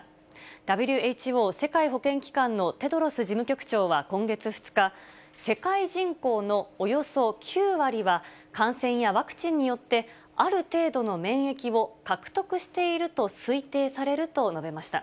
ＷＨＯ・世界保健機関のテドロス事務局長は今月２日、世界人口のおよそ９割は、感染やワクチンによって、ある程度の免疫を獲得していると推定されると述べました。